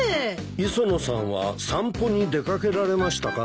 磯野さんは散歩に出掛けられましたかな？